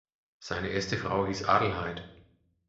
Seine erste Frau hieß Adelheid.